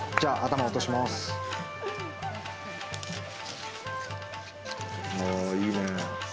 あ、いいね。